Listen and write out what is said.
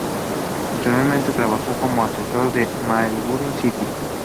Posteriormente, trabajó como asesor del Melbourne City.